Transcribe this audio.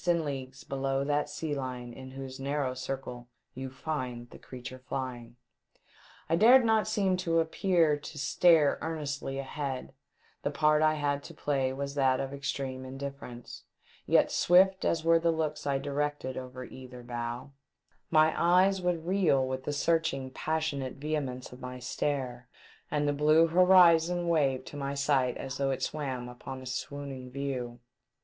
451 and leaofues below that sea line in whose narrow circle you find the creature flying. I dared not seem to appear to stare earnestly ahead , the part I had to play was that of extreme indifference ; yet, swift as were the looks I directed over either bow, my eyes would reel with the searching, passionate vehemence of my stare, and the blue horizon wave to my sight as though it swam upon a swooning view.